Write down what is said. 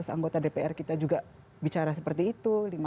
dua ratus anggota dpr kita juga bicara seperti itu